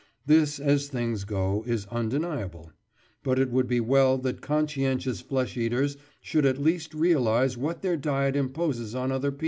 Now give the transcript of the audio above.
This, as things go, is undeniable; but it would be well that conscientious flesh eaters should at least realise what their diet imposes on other people.